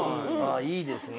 いいですね。